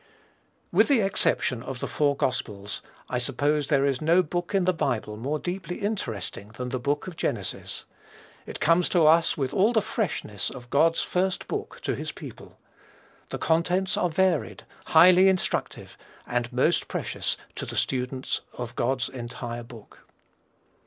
With the exception of the four gospels, I suppose there is no book in the Bible more deeply interesting than the Book of Genesis. It comes to us with all the freshness of God's first book to his people. The contents are varied, highly instructive, and most precious to the student of God's entire book.